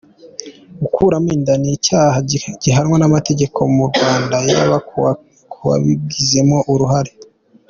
Gukuramo inda ni icyaha gihanwa n’amategeko mu Rwanda yaba ku wabigizemo uruhare.